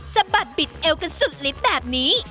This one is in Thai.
สะบัดบิดเอวกันสุดลิฟต์แบบนี้